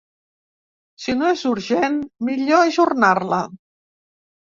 Si no és urgent, millor ajornar-la.